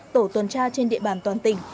tổ tuần tra trên địa bàn toàn tỉnh